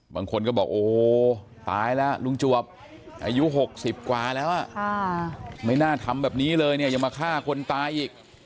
บางคนก็บอกโอ้โหตายแล้วลุงจวบอายุ๖๐กว่าแล้วไม่น่าทำแบบนี้เลยเนี่ยยังมาฆ่าคนตายอีก